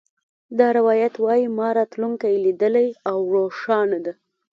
دا روایت وایي ما راتلونکې لیدلې او روښانه ده